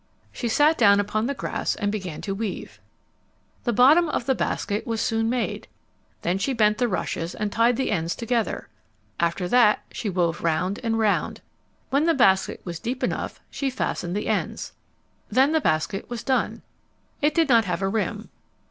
She sat down upon the grass and began to weave. The bottom of the basket was soon made. Then she bent the rushes and tied the ends together. After that she wove round and round. When the basket was deep enough she fastened the ends. Then the basket was done. It did not have a rim.